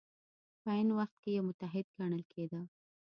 په عین وخت کې یو متحد ګڼل کېده.